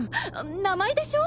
名前でしょ？